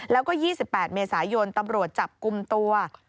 แล้วก็๒๘เมษายนตำรวจจับกลุ่มตัว